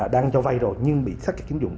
đang cho vay rồi nhưng bị sát kết kiếm dụng